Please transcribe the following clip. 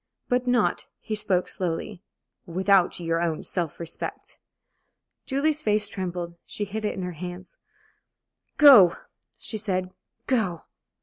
"But not" he spoke slowly "without your own self respect." Julie's face trembled. She hid it in her hands. "Go!" she said. "Go!"